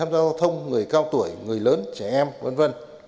tham gia giao thông người cao tuổi người lớn trẻ em v v